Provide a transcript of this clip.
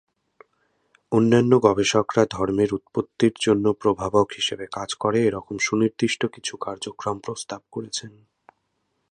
অন্যন্য গবেষকরা ধর্মের উৎপত্তির জন্য প্রভাবক হিসেবে কাজ করে এরকম সুনির্দিষ্ট কিছু কার্যক্রম প্রস্তাব করেছেন।